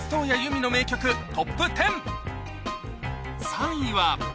３位は